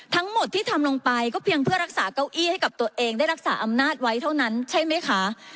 ทั้งหมดที่ทำลงไปก็เพียงเพื่อรักษาเก้าอี้ให้กับตัวเองได้รักษาอำนาจไว้เท่านั้นใช่ไหมคะ